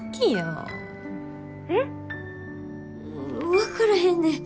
分からへんねん。